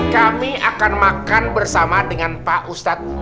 kami akan makan bersama dengan pak ustadz